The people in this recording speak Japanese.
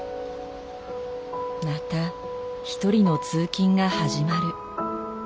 また一人の通勤が始まる。